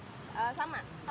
jam tujuh sampai jam sepuluh